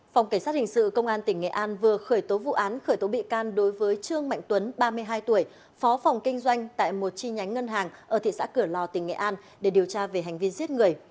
phòng cảnh sát hình sự công an tỉnh nghệ an vừa khởi tố vụ án khởi tố bị can đối với trương mạnh tuấn ba mươi hai tuổi phó phòng kinh doanh tại một chi nhánh ngân hàng ở thị xã cửa lò tỉnh nghệ an để điều tra về hành vi giết người